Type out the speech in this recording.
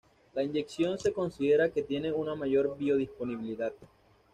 La inyección se considera que tiene una mayor biodisponibilidad.